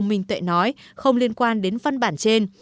mình tuệ nói không liên quan đến văn bản trên